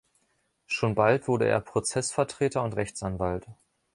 Schon bald wurde er Prozessvertreter und Rechtsanwalt.